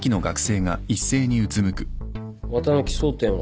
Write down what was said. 綿貫争点は？